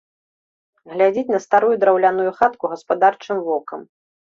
Глядзіць на старую драўляную хатку гаспадарчым вокам.